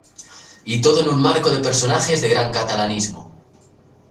Y todo en un marco de personajes de gran catalanismo.